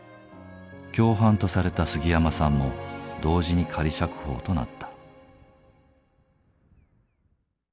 共犯とされた杉山さんも同時に仮釈放となった。